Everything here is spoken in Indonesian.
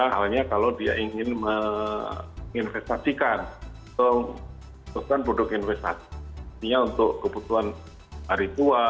halnya kalau dia ingin menginvestasikan atau membutuhkan produk investasinya untuk kebutuhan hari tua